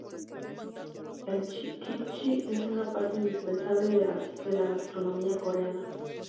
El kimchi es una parte indispensable de la gastronomía coreana.